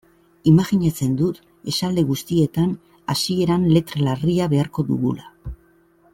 Imajinatzen dut esaldi guztietan hasieran letra larria beharko dugula.